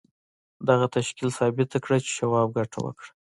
دغه تشکیل ثابته کړه چې شواب ګټه وکړه